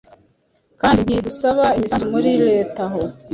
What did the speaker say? kandi ntidusaba imisanzu muri leta aho